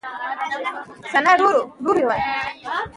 ننګرهار د افغانستان د پوهنې نصاب کې شامل دي.